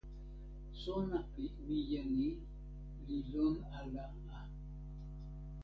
sona pi mije ni li lon ala a.